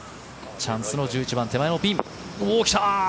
チャンスの１１番、手前のピン来た！